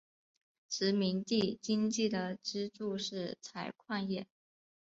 殖民地经济的支柱是采矿业。